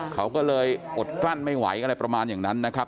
เขาก็เลยอดกลั้นไม่ไหวอะไรประมาณอย่างนั้นนะครับ